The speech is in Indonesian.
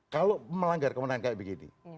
kalau melanggar kemenangan kayak begini